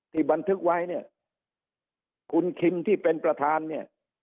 บันทึกไว้เนี่ยคุณคิมที่เป็นประธานเนี่ย